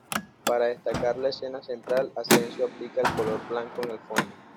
Para destacar la escena central, Asensio aplica el color blanco en el fondo.